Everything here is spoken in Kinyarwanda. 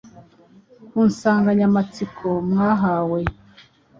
ku nsanganyamatsiko mwahawe,